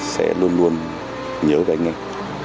sẽ luôn luôn nhớ về anh em